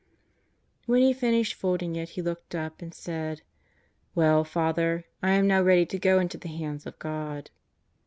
When he finished folding it he looked up and said: "Well, Father, I am now ready to go into the hands of God."